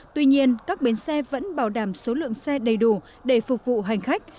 tuy nhiên các bến xe vẫn bảo đảm số lượng xe đầy đủ để phục vụ hành khách